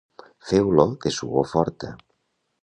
Fer olor de suor forta